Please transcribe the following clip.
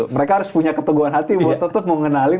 mereka harus punya keteguhan hati buat tetap mau ngenalin